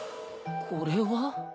これは？